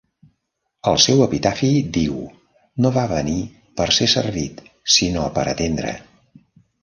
El seu epitafi diu: "No va venir per ser servit, sinó per atendre.